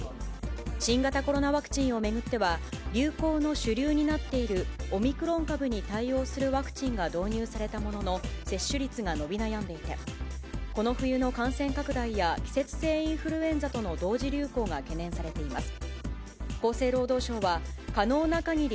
新型コロナワクチンを巡っては、流行の主流になっているオミクロン株に対応するワクチンが導入されたものの、接種率が伸び悩んでいて、この冬の感染拡大や季節性インフルエンザとの同時流行が懸念されています。